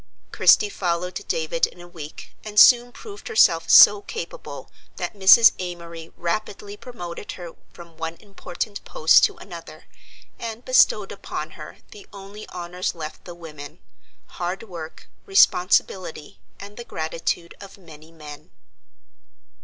Christie followed David in a week, and soon proved herself so capable that Mrs. Amory rapidly promoted her from one important post to another, and bestowed upon her the only honors left the women, hard work, responsibility, and the gratitude of many men.